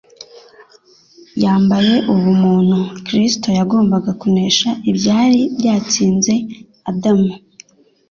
Yambaye ubumuntu, Kristo yagombaga kunesha ibyari byatsinze Adamu